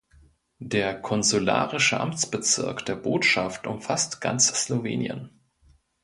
Der konsularische Amtsbezirk der Botschaft umfasst ganz Slowenien.